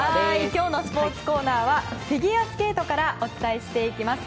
今日のスポーツコーナーはフィギュアスケートからお伝えしていきます。